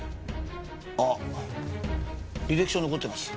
あっ履歴書残ってますよ。